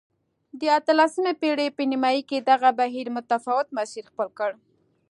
د اتلسمې پېړۍ په نیمايي کې دغه بهیر متفاوت مسیر خپل کړ.